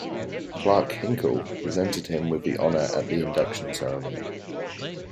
Clarke Hinkle presented him with the honor at the induction ceremony.